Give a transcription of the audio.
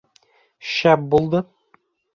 Шәп булды.